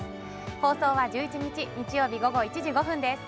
放送は１１日日曜日、午後１時５分です。